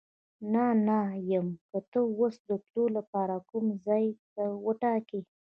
نه، نه یم، که ته اوس د تلو لپاره کوم ځای وټاکې.